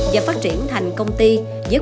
và phát triển thành công ty với